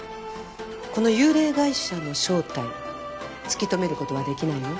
この幽霊会社の正体突き止めることはできないの？